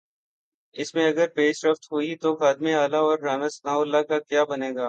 اس میں اگر پیش رفت ہوئی تو خادم اعلی اور رانا ثناء اللہ کا کیا بنے گا؟